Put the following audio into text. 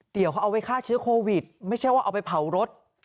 เดี๋ยวเขาเอาไว้ฆ่าเชื้อโควิดไม่ใช่ว่าเอาไปเผารถ